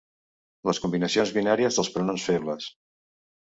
Les combinacions binàries dels pronoms febles.